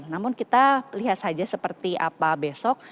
namun kita lihat saja seperti apa besok